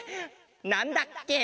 なんだっけ？